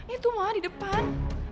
itu ma di depan